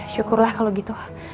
syukurlah kalau gitu